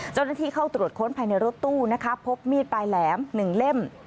เจ้าหน้าที่เข้าตรวจค้นภายในรถตู้นะคะพบมีดปลายแหลม๑เล่ม